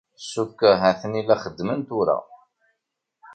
Cukkteɣ ha-ten-i la xeddmen tura.